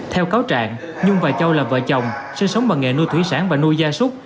theo cáo trạng nhung và châu là vợ chồng sinh sống bằng nghề nuôi thủy sản và nuôi gia súc